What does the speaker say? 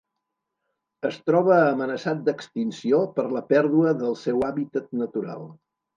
Es troba amenaçat d'extinció per la pèrdua del seu hàbitat natural.